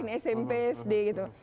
ini smp sd gitu